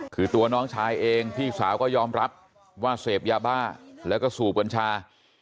คือตัวน้องชายเองพี่สาวก็ยอมรับว่าเสพยาบ้าแล้วก็สูบกัญชา